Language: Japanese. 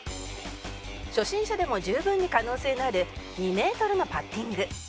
初心者でも十分に可能性のある２メートルのパッティング